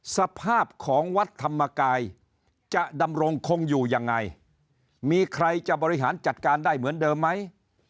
สภาพของวัดธรรมกายจะดำรงคงอยู่ยังไงมีใครจะบริหารจัดการได้เหมือนเดิมไหม